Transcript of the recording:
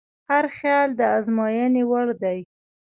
هر خیال د ازموینې وړ دی.